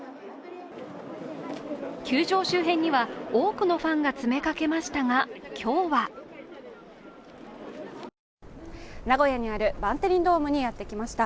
球場周辺には、多くのファンが詰めかけましたが今日は名古屋にあるバンテリンドームにやってきました。